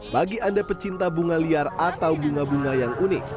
bagi anda pecinta bunga liar atau bunga bunga yang unik